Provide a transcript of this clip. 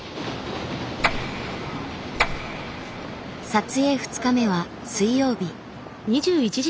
撮影２日目は水曜日。